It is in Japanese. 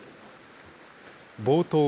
冒頭